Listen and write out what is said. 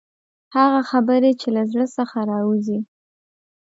هغه خبرې چې له زړه څخه راوځي.